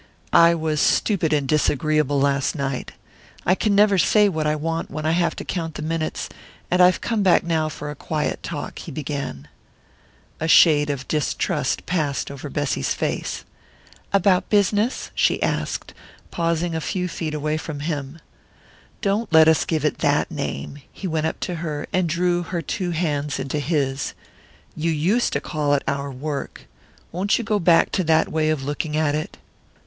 "I was stupid and disagreeable last night. I can never say what I want when I have to count the minutes, and I've come back now for a quiet talk," he began. A shade of distrust passed over Bessy's face. "About business?" she asked, pausing a few feet away from him. "Don't let us give it that name!" He went up to her and drew her two hands into his. "You used to call it our work won't you go back to that way of looking at it?"